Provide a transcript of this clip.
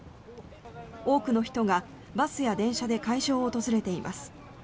多くの人がバスや電車で会場を訪れています。